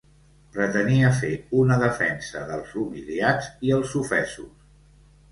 Pretenia fer una defensa dels humiliats i els ofesos.